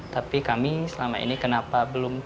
tapi kami selama ini kenapa belum